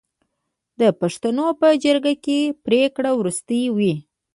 د پښتنو په جرګه کې پریکړه وروستۍ وي.